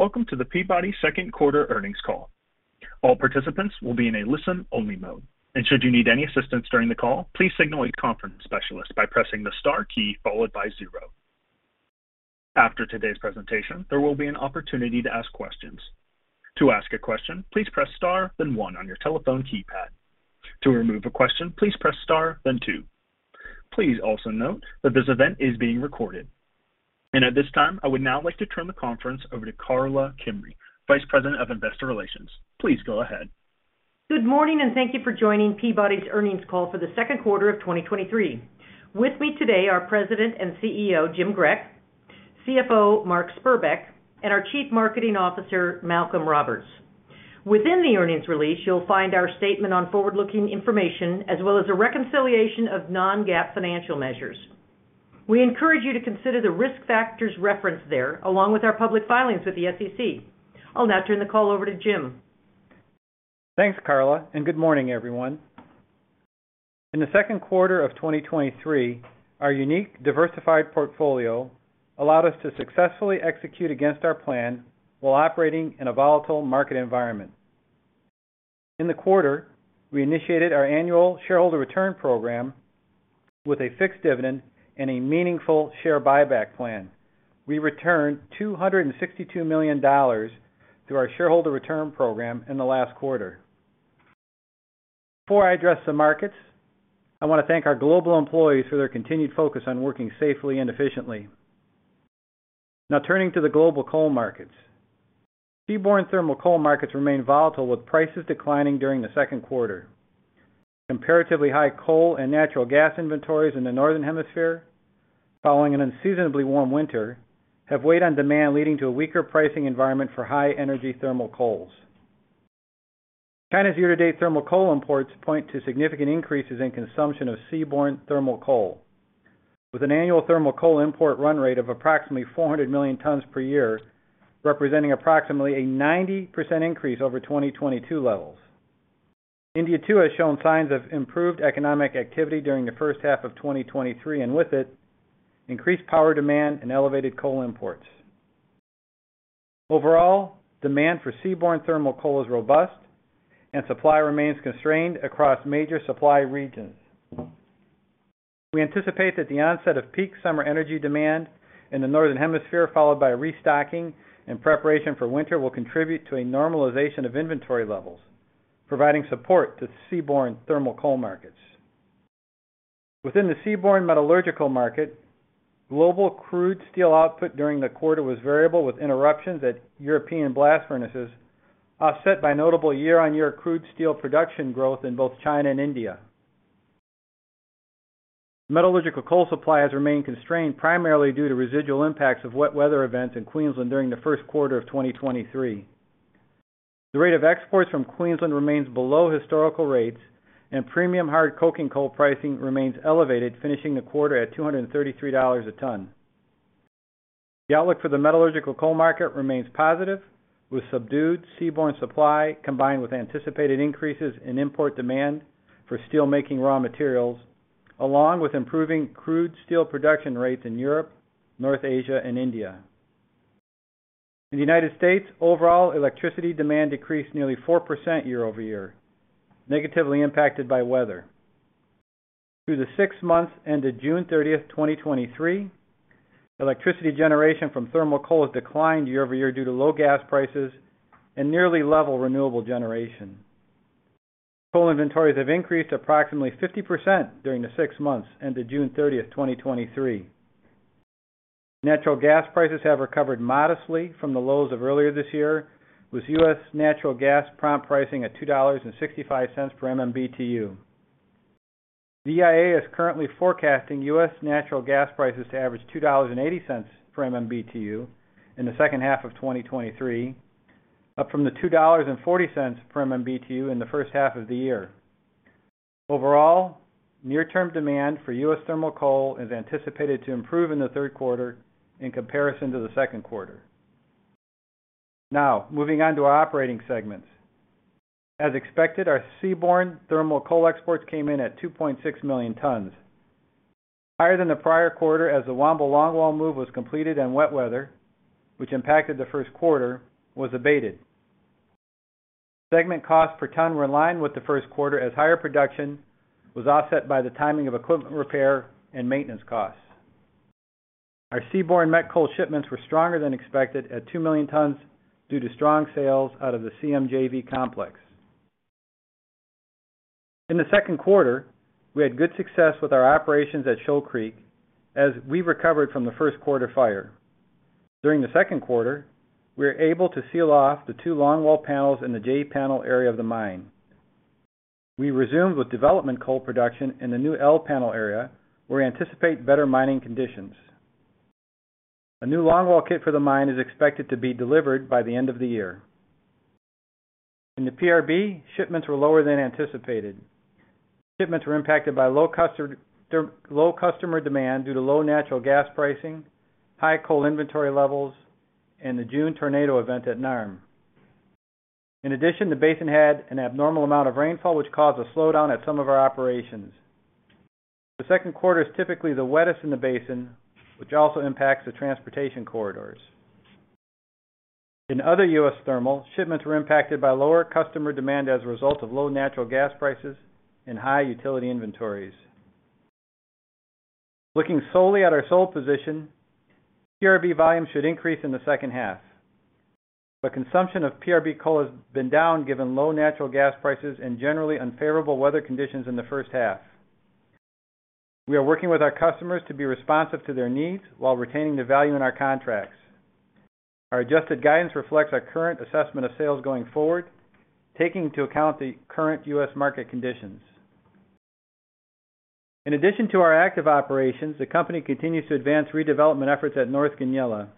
Welcome to the Peabody second quarter earnings call. All participants will be in a listen-only mode, should you need any assistance during the call, please signal a conference specialist by pressing the star key followed by zero. After today's presentation, there will be an opportunity to ask questions. To ask a question, please press star, then one on your telephone keypad. To remove a question, please press star, then two. Please also note that this event is being recorded. At this time, I would now like to turn the conference over to Karla Kimrey, Vice President of Investor Relations. Please go ahead. Good morning, thank you for joining Peabody's earnings call for the second quarter of 2023. With me today are President and CEO, Jim Grech, CFO, Mark Spurbeck, and our Chief Marketing Officer, Malcolm Roberts. Within the earnings release, you'll find our statement on forward-looking information, as well as a reconciliation of non-GAAP financial measures. We encourage you to consider the risk factors referenced there, along with our public filings with the SEC. I'll now turn the call over to Jim. Thanks, Karla. Good morning, everyone. In the second quarter of 2023, our unique diversified portfolio allowed us to successfully execute against our plan while operating in a volatile market environment. In the quarter, we initiated our annual shareholder return program with a fixed dividend and a meaningful share buyback plan. We returned $262 million through our shareholder return program in the last quarter. Before I address the markets, I wanna thank our global employees for their continued focus on working safely and efficiently. Turning to the global coal markets. Seaborne thermal coal markets remain volatile, with prices declining during the second quarter. Comparatively, high coal and natural gas inventories in the Northern Hemisphere, following an unseasonably warm winter, have weighed on demand, leading to a weaker pricing environment for high-energy thermal coals. China's year-to-date thermal coal imports point to significant increases in consumption of seaborne thermal coal, with an annual thermal coal import run rate of approximately 400 million tons per year, representing approximately a 90% increase over 2022 levels. India, too, has shown signs of improved economic activity during the first half of 2023, and with it, increased power demand and elevated coal imports. Overall, demand for seaborne thermal coal is robust, and supply remains constrained across major supply regions. We anticipate that the onset of peak summer energy demand in the Northern Hemisphere, followed by restocking and preparation for winter, will contribute to a normalization of inventory levels, providing support to seaborne thermal coal markets. Within the Seaborne Metallurgical market, global crude steel output during the quarter was variable, with interruptions at European blast furnaces, offset by notable year-over-year crude steel production growth in both China and India. Metallurgical coal supply has remained constrained, primarily due to residual impacts of wet weather events in Queensland during the first quarter of 2023. The rate of exports from Queensland remains below historical rates, and premium hard coking coal pricing remains elevated, finishing the quarter at $233 a ton. The outlook for the metallurgical coal market remains positive, with subdued seaborne supply, combined with anticipated increases in import demand for steelmaking raw materials, along with improving crude steel production rates in Europe, North Asia, and India. In the United States, overall electricity demand decreased nearly 4% year-over-year, negatively impacted by weather. Through the 6 months ended June 30th, 2023, electricity generation from thermal coal has declined year-over-year due to low gas prices and nearly level renewable generation. Coal inventories have increased approximately 50% during the 6 months, ended June 30th, 2023. Natural gas prices have recovered modestly from the lows of earlier this year, with U.S. natural gas prompt pricing at $2.65 per MMBTU. EIA is currently forecasting U.S. natural gas prices to average $2.80 per MMBTU in the second half of 2023, up from the $2.40 per MMBTU in the first half of the year. Near-term demand for U.S. thermal coal is anticipated to improve in the third quarter in comparison to the second quarter. Moving on to our operating segments. As expected, our seaborne thermal coal exports came in at 2.6 million tons, higher than the prior quarter as the Wambo Longwall move was completed and wet weather, which impacted the first quarter, was abated. Segment costs per ton were in line with the first quarter as higher production was offset by the timing of equipment repair and maintenance costs. Our seaborne met coal shipments were stronger than expected at 2 million tons due to strong sales out of the CMJV complex. In the second quarter, we had good success with our operations at Shoal Creek as we recovered from the first quarter fire. During the second quarter, we were able to seal off the two longwall panels in the J panel area of the mine. We resumed with development coal production in the new L panel area, where we anticipate better mining conditions. A new longwall kit for the mine is expected to be delivered by the end of the year. In the PRB, shipments were lower than anticipated. Shipments were impacted by low customer demand due to low natural gas pricing, high coal inventory levels, and the June tornado event at NARM. In addition, the basin had an abnormal amount of rainfall, which caused a slowdown at some of our operations. The second quarter is typically the wettest in the basin, which also impacts the transportation corridors. In other U.S. Thermal, shipments were impacted by lower customer demand as a result of low natural gas prices and high utility inventories. Looking solely at our sole position, PRB volume should increase in the second half, but consumption of PRB coal has been down given low natural gas prices and generally unfavorable weather conditions in the first half. We are working with our customers to be responsive to their needs while retaining the value in our contracts. Our adjusted guidance reflects our current assessment of sales going forward, taking into account the current U.S. market conditions. In addition to our active operations, the company continues to advance redevelopment efforts at North Goonyella,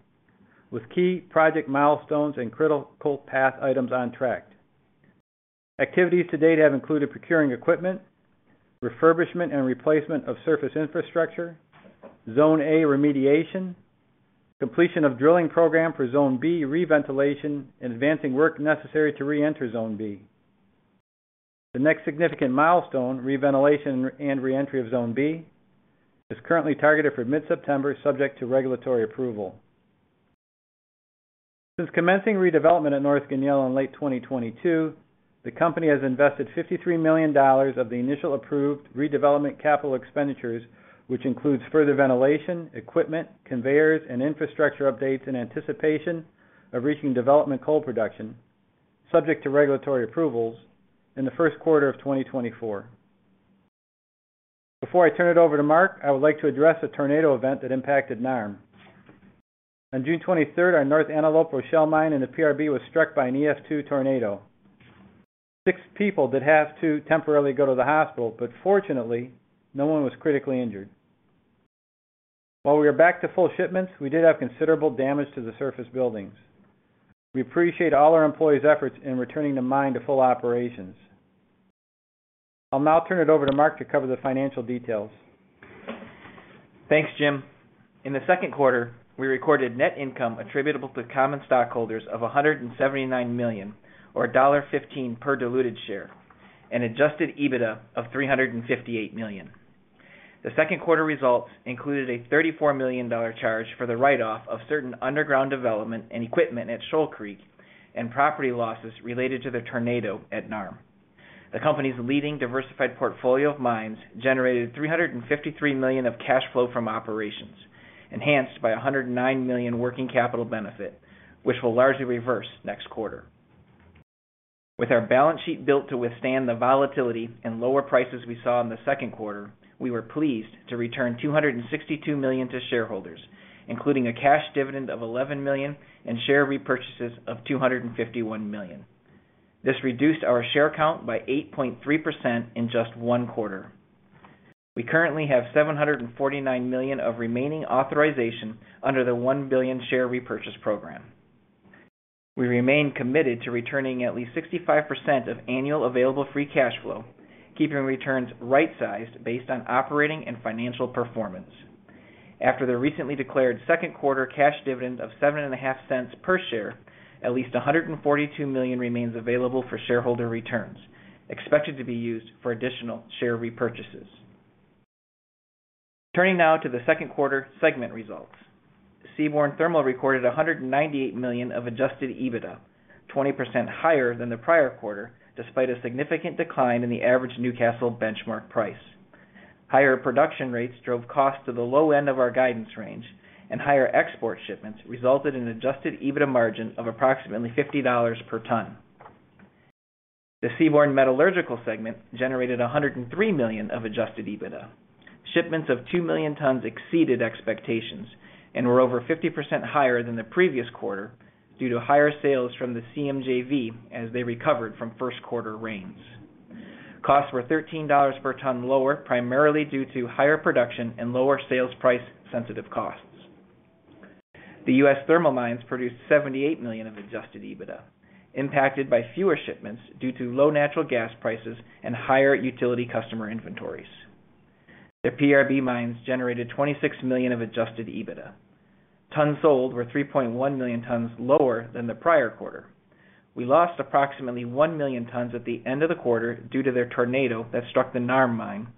with key project milestones and critical path items on track. Activities to date have included procuring equipment, refurbishment and replacement of surface infrastructure, Zone A remediation, completion of drilling program for Zone B reventilation, and advancing work necessary to reenter Zone B. The next significant milestone, reventilation and re-entry of Zone B, is currently targeted for mid-September, subject to regulatory approval. Since commencing redevelopment at North Goonyella in late 2022, the company has invested $53 million of the initial approved redevelopment capital expenditures, which includes further ventilation, equipment, conveyors, and infrastructure updates in anticipation of reaching development coal production, subject to regulatory approvals in the first quarter of 2024. Before I turn it over to Mark, I would like to address a tornado event that impacted NARM. On June 23rd, our North Antelope Rochelle Mine in the PRB was struck by an EF2 tornado. Six people did have to temporarily go to the hospital, fortunately, no one was critically injured. While we are back to full shipments, we did have considerable damage to the surface buildings. We appreciate all our employees' efforts in returning the mine to full operations. I'll now turn it over to Mark to cover the financial details. Thanks, Jim. In the second quarter, we recorded net income attributable to common stockholders of $179 million, or $1.15 per diluted share, and adjusted EBITDA of $358 million. The second quarter results included a $34 million charge for the write-off of certain underground development and equipment at Shoal Creek and property losses related to the tornado at NARM. The company's leading diversified portfolio of mines generated $353 million of cash flow from operations, enhanced by a $109 million working capital benefit, which will largely reverse next quarter. With our balance sheet built to withstand the volatility and lower prices we saw in the second quarter, we were pleased to return $262 million to shareholders, including a cash dividend of $11 million and share repurchases of $251 million. This reduced our share count by 8.3% in just one quarter. We currently have $749 million of remaining authorization under the $1 billion share repurchase program. We remain committed to returning at least 65% of annual available free cash flow, keeping returns right-sized based on operating and financial performance. After the recently declared second quarter cash dividend of $0.75 per share, at least $142 million remains available for shareholder returns, expected to be used for additional share repurchases. Turning now to the second quarter segment results. Seaborne Thermal recorded $198 million of adjusted EBITDA, 20% higher than the prior quarter, despite a significant decline in the average Newcastle benchmark price. Higher production rates drove costs to the low end of our guidance range, and higher export shipments resulted in adjusted EBITDA margin of approximately $50 per ton. The Seaborne Metallurgical segment generated $103 million of adjusted EBITDA. Shipments of 2 million tons exceeded expectations and were over 50% higher than the previous quarter due to higher sales from the CMJV as they recovered from first quarter rains. Costs were $13 per ton lower, primarily due to higher production and lower sales price-sensitive costs. The U.S. Thermal mines produced $78 million of adjusted EBITDA, impacted by fewer shipments due to low natural gas prices and higher utility customer inventories. The PRB mines generated $26 million of adjusted EBITDA. Tons sold were 3.1 million tons lower than the prior quarter. We lost approximately 1 million tons at the end of the quarter due to the tornado that struck the NARM mine.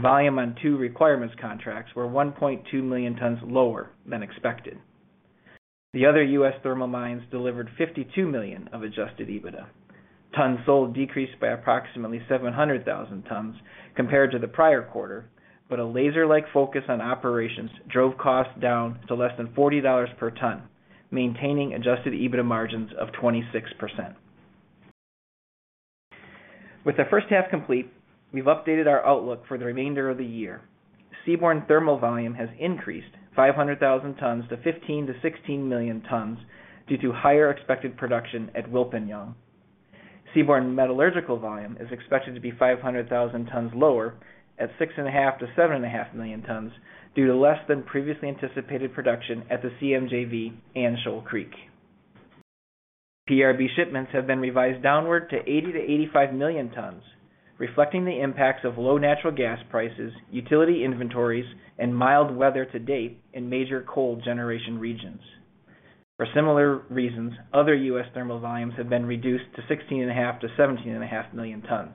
Volume on two requirements contracts were 1.2 million tons lower than expected. The other U.S. Thermal mines delivered $52 million of adjusted EBITDA. Tons sold decreased by approximately 700,000 tons compared to the prior quarter. A laser-like focus on operations drove costs down to less than $40 per ton, maintaining adjusted EBITDA margins of 26%. With the first half complete, we've updated our outlook for the remainder of the year. Seaborne Thermal volume has increased 500,000 tons to 15 million-16 million tons due to higher expected production at Wilpinjong. Seaborne Metallurgical volume is expected to be 500,000 tons lower, at 6.5 million-7.5 million tons, due to less than previously anticipated production at the CMJV and Shoal Creek. PRB shipments have been revised downward to 80 million-85 million tons, reflecting the impacts of low natural gas prices, utility inventories, and mild weather to date in major coal generation regions. For similar reasons, other U.S. Thermal volumes have been reduced to 16.5 million-17.5 million tons.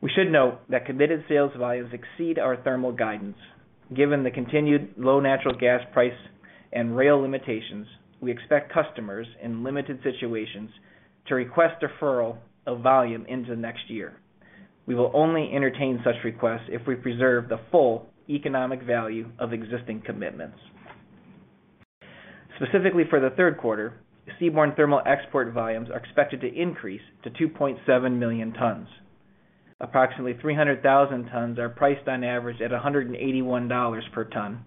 We should note that committed sales volumes exceed our thermal guidance. Given the continued low natural gas price and rail limitations, we expect customers in limited situations to request deferral of volume into next year. We will only entertain such requests if we preserve the full economic value of existing commitments. Specifically for the third quarter, Seaborne Thermal export volumes are expected to increase to 2.7 million tons. Approximately 300,000 tons are priced on average at $181 per ton,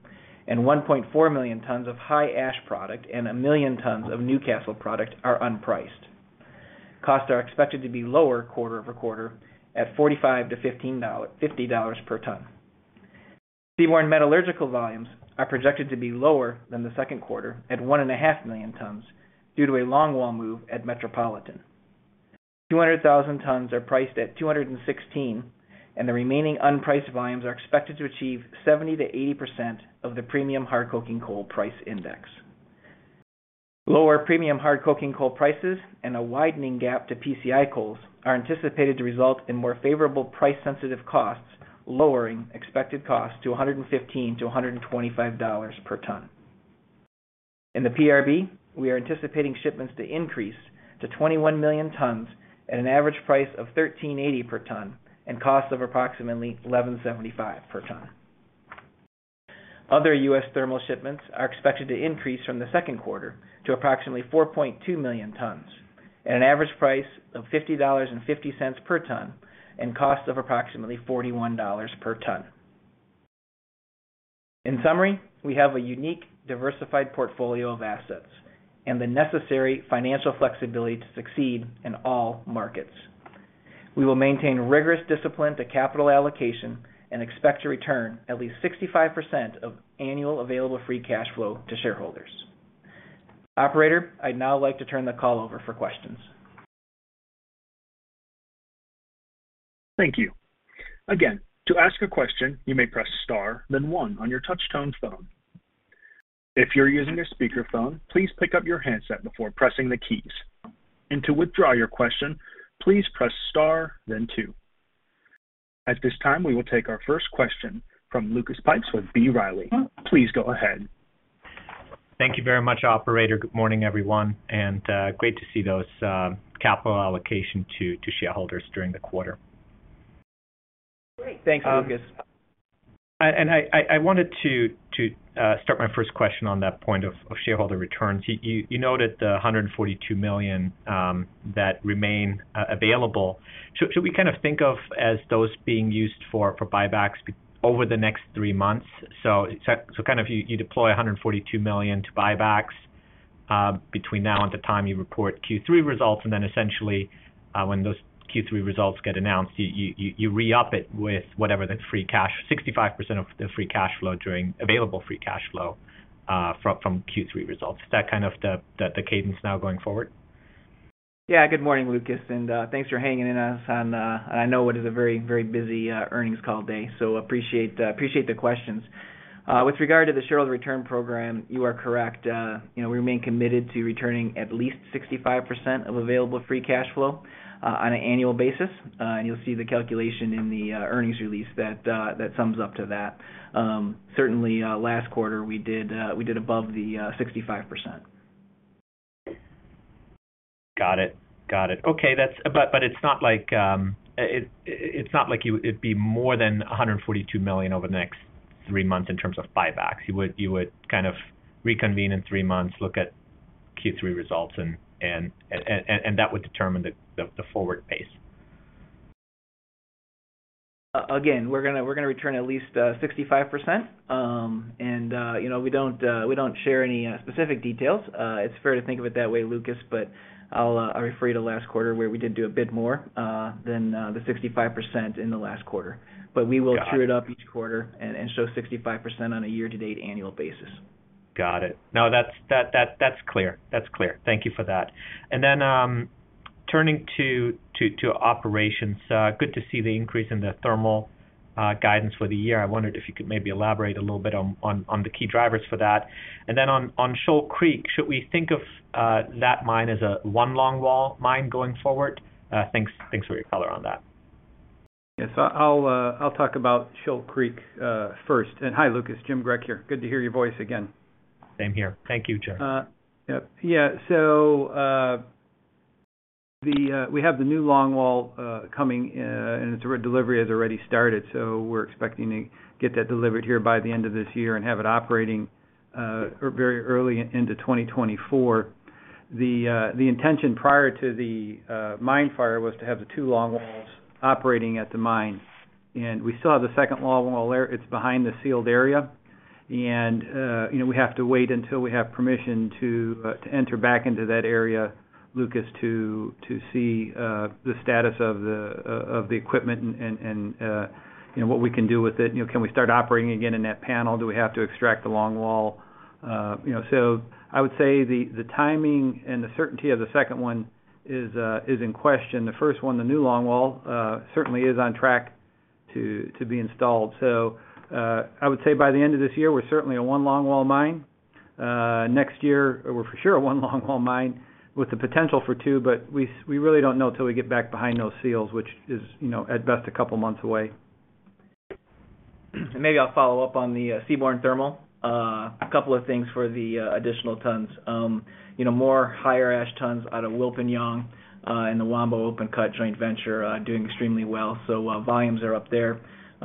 and 1.4 million tons of high ash product and 1 million tons of Newcastle product are unpriced. Costs are expected to be lower quarter-over-quarter at $45-$50 per ton. Seaborne Metallurgical volumes are projected to be lower than the second quarter at 1.5 million tons due to a long wall move at Metropolitan. 200,000 tons are priced at $216, and the remaining unpriced volumes are expected to achieve 70%-80% of the premium hard coking coal price index. Lower premium hard coking coal prices and a widening gap to PCI coals are anticipated to result in more favorable price-sensitive costs, lowering expected costs to $115-$125 per ton. In the PRB, we are anticipating shipments to increase to 21 million tons at an average price of $13.80 per ton and costs of approximately $11.75 per ton. Other U.S. Thermal shipments are expected to increase from the second quarter to approximately 4.2 million tons, at an average price of $50.50 per ton, and costs of approximately $41 per ton. In summary, we have a unique, diversified portfolio of assets and the necessary financial flexibility to succeed in all markets. We will maintain rigorous discipline to capital allocation and expect to return at least 65% of annual available free cash flow to shareholders. Operator, I'd now like to turn the call over for questions. Thank you. Again, to ask a question, you may press star, then one on your touchtone phone. If you're using a speakerphone, please pick up your handset before pressing the keys. To withdraw your question, please press star, then two. At this time, we will take our first question from Lucas Pipes with B. Riley. Please go ahead. Thank you very much, operator. Good morning, everyone, and great to see those capital allocation to shareholders during the quarter. Great. Thanks, Lucas. I wanted to start my first question on that point of shareholder returns. You noted the $142 million that remain available. Should we kind of think of as those being used for buybacks over the next 3 months? Kind of you deploy $142 million to buybacks between now and the time you report Q3 results, essentially, when those Q3 results get announced, you re-up it with 65% of the available free cash flow from Q3 results. Is that kind of the cadence now going forward? Good morning, Lucas, and thanks for hanging in us on I know what is a very, very busy earnings call day. Appreciate the, appreciate the questions. With regard to the shareholder return program, you are correct. You know, we remain committed to returning at least 65% of available free cash flow on an annual basis, you'll see the calculation in the earnings release that that sums up to that. Certainly, last quarter, we did above the 65%. Got it. Got it. Okay, that's. It's not like it'd be more than $142 million over the next three months in terms of buybacks. You would kind of reconvene in three months, look at Q3 results, and that would determine the forward pace. Again, we're going to, we're going to return at least 65%. And, you know, we don't, we don't share any specific details. It's fair to think of it that way, Lucas, but I'll refer you to last quarter, where we did do a bit more than the 65% in the last quarter. Got it. We will true it up each quarter and show 65% on a year-to-date annual basis. Got it. No, that's clear. That's clear. Thank you for that. Turning to operations, good to see the increase in the thermal guidance for the year. I wondered if you could maybe elaborate a little bit on the key drivers for that? On Shoal Creek, should we think of that mine as a one longwall mine going forward? Thanks for your color on that. Yes, I'll, I'll talk about Shoal Creek first. Hi, Lucas, Jim Grech here. Good to hear your voice again. Same here. Thank you, Jim. We have the new long wall coming, and its delivery has already started, so we're expecting to get that delivered here by the end of this year and have it operating or very early into 2024. The intention prior to the mine fire was to have the two long walls operating at the mine, and we still have the second long wall there. It's behind the sealed area, and, you know, we have to wait until we have permission to enter back into that area, Lucas, to see the status of the equipment and, you know, what we can do with it. You know, can we start operating again in that panel? Do we have to extract the long wall? You know, I would say the, the timing and the certainty of the second one is in question. The first one, the new long wall, certainly is on track-... To be installed. I would say by the end of this year, we're certainly a one longwall mine. Next year, we're for sure a one longwall mine with the potential for two, but we really don't know until we get back behind those seals, which is, you know, at best, a couple of months away. Maybe I'll follow up on the Seaborne Thermal. A couple of things for the additional tons. You know, more higher ash tons out of Wilpinjong and the Wambo open cut joint venture are doing extremely well. Volumes are up there.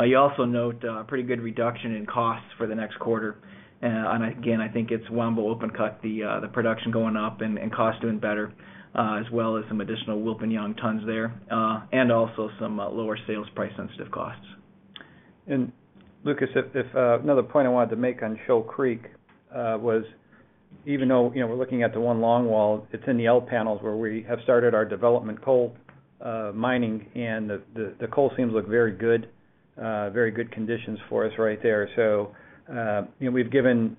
You also note pretty good reduction in costs for the next quarter. Again, I think it's Wambo open cut, the production going up and cost doing better, as well as some additional Wilpinjong tons there, and also some lower sales price-sensitive costs. Lucas, if another point I wanted to make on Shoal Creek was even though, you know, we're looking at the one longwall, it's in the L panels where we have started our development coal mining, and the coal seams look very good conditions for us right there. You know, we've given,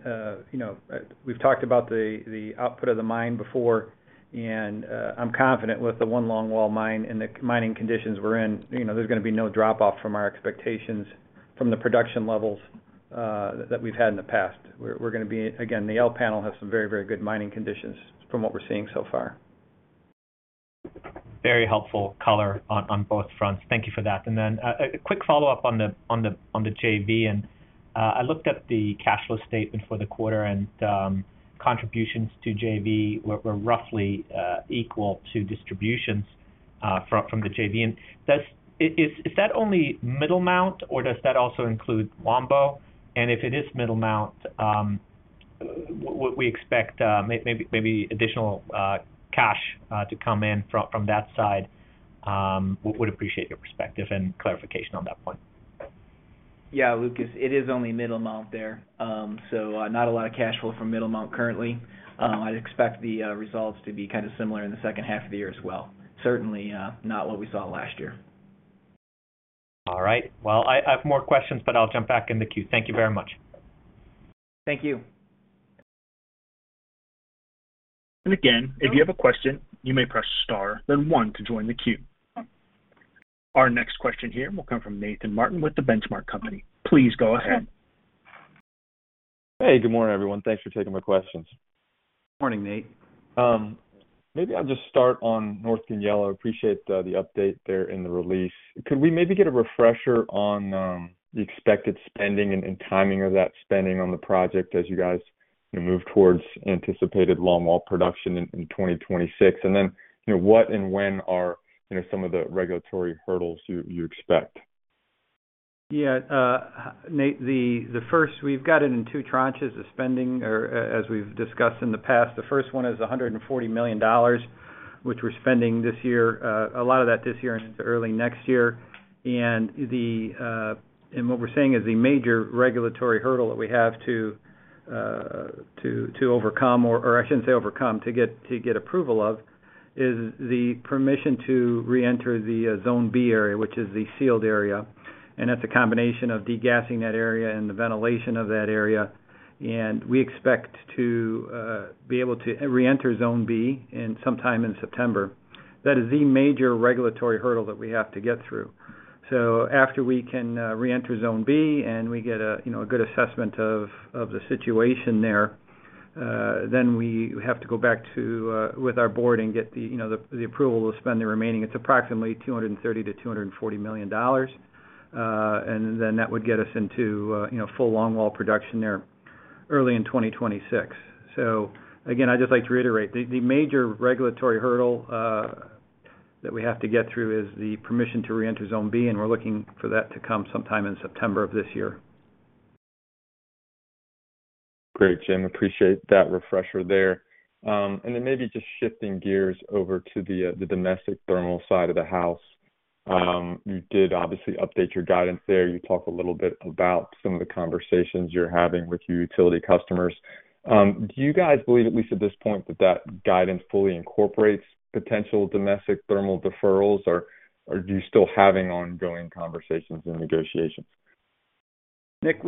you know, we've talked about the output of the mine before, and I'm confident with the one longwall mine and the mining conditions we're in, you know, there's gonna be no drop off from our expectations from the production levels that we've had in the past. We're gonna be again, the L panel has some very good mining conditions from what we're seeing so far. Very helpful color on both fronts. Thank you for that. Then, a quick follow-up on the JV. I looked at the cash flow statement for the quarter, and contributions to JV were roughly equal to distributions from the JV. Is that only Middlemount, or does that also include Wambo? If it is Middlemount, would we expect maybe additional cash to come in from that side? Would appreciate your perspective and clarification on that point. Yeah, Lucas, it is only Middlemount there. Not a lot of cash flow from Middlemount currently. I'd expect the results to be kind of similar in the second half of the year as well. Certainly, not what we saw last year. All right. Well, I have more questions, but I'll jump back in the queue. Thank you very much. Thank you. Again, if you have a question, you may press star, then one to join the queue. Our next question here will come from Nathan Martin with The Benchmark Company. Please go ahead. Hey, good morning, everyone. Thanks for taking my questions. Morning, Nate. Maybe I'll just start on North Goonyella. Appreciate the update there in the release. Could we maybe get a refresher on the expected spending and timing of that spending on the project as you guys, you know, move towards anticipated longwall production in 2026? You know, what and when are, you know, some of the regulatory hurdles you expect? Yeah, Nate, the first, we've got it in two tranches of spending as we've discussed in the past. The first one is $140 million, which we're spending this year, a lot of that this year and into early next year. What we're saying is the major regulatory hurdle that we have to overcome, or I shouldn't say overcome, to get approval of, is the permission to reenter the Zone B area, which is the sealed area, and that's a combination of degassing that area and the ventilation of that area. We expect to be able to reenter Zone B in sometime in September. That is the major regulatory hurdle that we have to get through. After we can reenter Zone B, and we get a, you know, a good assessment of, of the situation there, then we have to go back to with our board and get the, you know, the approval to spend the remaining. It's approximately $230 million-$240 million. That would get us into, you know, full longwall production there early in 2026. Again, I'd just like to reiterate, the, the major regulatory hurdle that we have to get through is the permission to reenter Zone B, and we're looking for that to come sometime in September of this year. Great, Jim. Appreciate that refresher there. Then maybe just shifting gears over to the domestic thermal side of the house. You did obviously update your guidance there. You talked a little bit about some of the conversations you're having with your utility customers. Do you guys believe, at least at this point, that that guidance fully incorporates potential domestic thermal deferrals, or are you still having ongoing conversations and negotiations? Nate,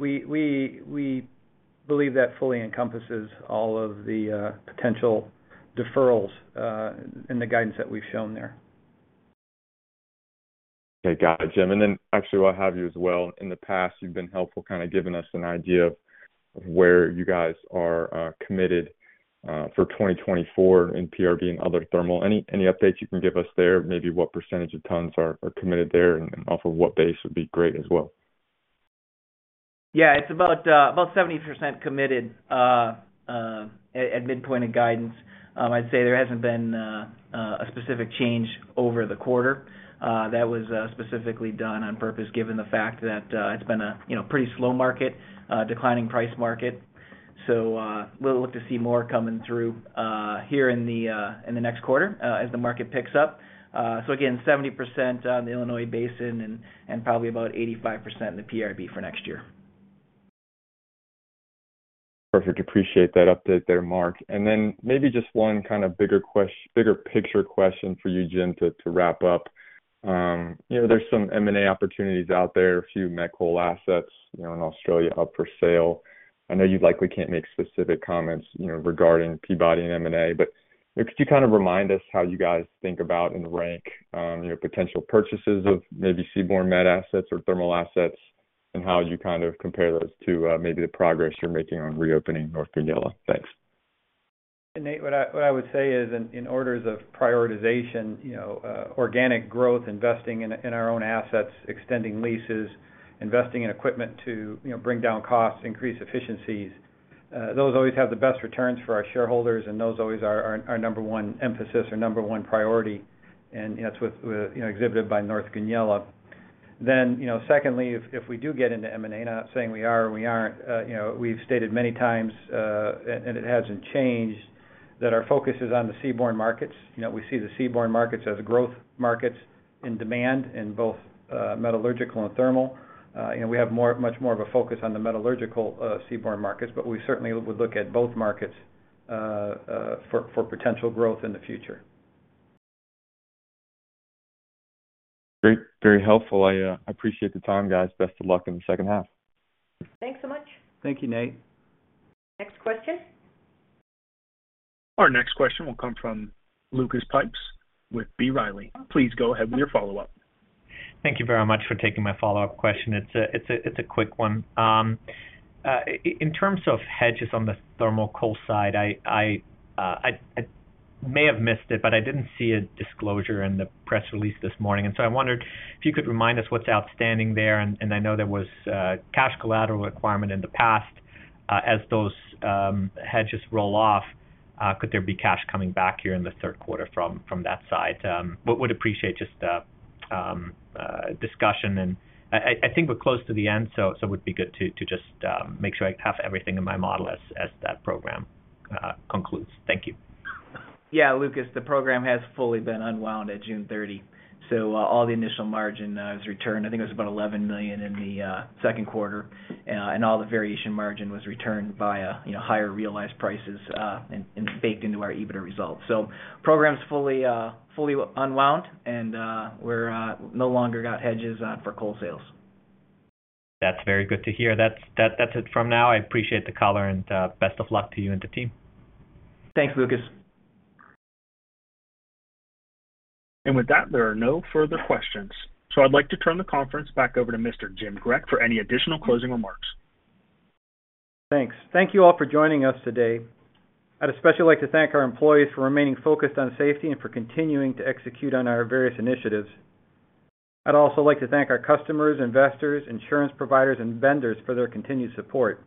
we believe that fully encompasses all of the potential deferrals in the guidance that we've shown there. Okay. Got it, Jim. actually, while I have you as well, in the past, you've been helpful kind of giving us an idea of where you guys are committed for 2024 in PRB and other thermal. Any updates you can give us there? Maybe what % of tons are committed there and off of what base would be great as well. Yeah, it's about, about 70% committed, at midpoint of guidance. I'd say there hasn't been a specific change over the quarter. That was specifically done on purpose, given the fact that it's been a, you know, pretty slow market, declining price market. We'll look to see more coming through here in the next quarter, as the market picks up. Again, 70% on the Illinois Basin and probably about 85% in the PRB for next year. Perfect. Appreciate that update there, Mark. Then maybe just one kind of bigger picture question for you, Jim, to wrap up. you know, there's some M&A opportunities out there, a few met coal assets, you know, in Australia up for sale. I know you likely can't make specific comments, you know, regarding Peabody and M&A, but could you kind of remind us how you guys think about and rank your potential purchases of maybe seaborne met assets or thermal assets? How would you kind of compare those to maybe the progress you're making on reopening North Goonyella? Thanks. Nate, what I would say is in orders of prioritization, you know, organic growth, investing in our own assets, extending leases, investing in equipment to, you know, bring down costs, increase efficiencies, those always have the best returns for our shareholders, and those always are our number one emphasis or number one priority, and that's with, you know, exhibited by North Goonyella. You know, secondly, if we do get into M&A, not saying we are or we aren't, you know, we've stated many times, and it hasn't changed, that our focus is on the seaborne markets. You know, we see the seaborne markets as growth markets in demand in both metallurgical and thermal. You know, we have much more of a focus on the metallurgical, seaborne markets. We certainly would look at both markets for potential growth in the future. Great. Very helpful. I appreciate the time, guys. Best of luck in the second half. Thanks so much. Thank you, Nate. Next question. Our next question will come from Lucas Pipes with B. Riley. Please go ahead with your follow-up. Thank you very much for taking my follow-up question. It's a quick one. In terms of hedges on the thermal coal side, I may have missed it, but I didn't see a disclosure in the press release this morning. I wondered if you could remind us what's outstanding there. I know there was a cash collateral requirement in the past. As those hedges roll off, could there be cash coming back here in the third quarter from that side? Would appreciate just a discussion. I think we're close to the end, so it would be good to just make sure I have everything in my model as that program concludes. Thank you. Lucas, the program has fully been unwound at June 30, all the initial margin is returned. I think it was about $11 million in the second quarter, and all the variation margin was returned via, you know, higher realized prices, and baked into our EBITDA results. Program's fully unwound, and we're no longer got hedges for coal sales. That's very good to hear. That's it from now. I appreciate the call, and best of luck to you and the team. Thanks, Lucas. With that, there are no further questions, so I'd like to turn the conference back over to Mr. Jim Grech for any additional closing remarks. Thanks. Thank you all for joining us today. I'd especially like to thank our employees for remaining focused on safety and for continuing to execute on our various initiatives. I'd also like to thank our customers, investors, insurance providers, and vendors for their continued support.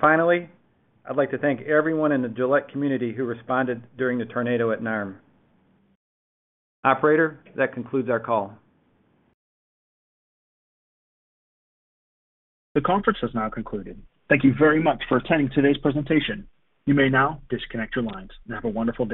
Finally, I'd like to thank everyone in the Gillette community who responded during the tornado at NARM. Operator, that concludes our call. The conference has now concluded. Thank you very much for attending today's presentation. You may now disconnect your lines, and have a wonderful day.